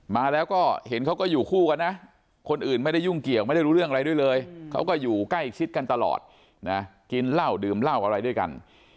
มาแล้วก็เห็นเขาก็อยู่คู่กันนะคนอื่นไม่ได้ยุ่งเกี่ยวไม่ได้รู้เรื่องอะไรด้วยเลยเขาก็อยู่ใกล้ชิดกันตลอดนะกินเหล้าดื่มเหล้าอะไรด้วยกัน